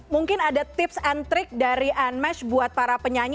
mungkin ada tips and trik dari nmesh buat para penyanyi